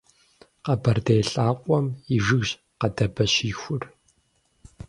Къэбэрдей лӀакъуэм и жыгщ къэдабэщихур.